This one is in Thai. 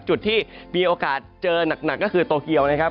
จุดที่มีโอกาสเจอหนักก็คือโตเกียวนะครับ